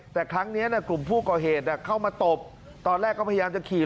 แต่ครั้งนี้กลุ่มผู้ก่อเหตุเข้ามาตบตอนแรกก็พยายามจะขี่